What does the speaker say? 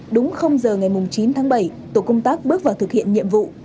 đúng giờ ngày chín tháng bảy tổ công tác bước vào thực hiện nhiệm vụ